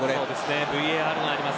ＶＡＲがあります。